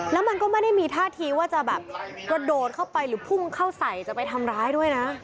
แล้วมันก็ไม่ได้มีท่าทีว่าจะแบบกระโดดเข้าไปหรือพุ่งเข้าใส่จะไปทำร้ายด้วยนะ